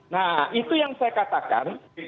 nah itu yang saya katakan